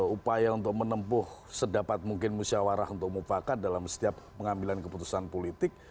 upaya untuk menempuh sedapat mungkin musyawarah untuk mufakat dalam setiap pengambilan keputusan politik